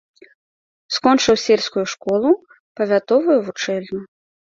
Скончыў сельскую школу, павятовую вучэльню.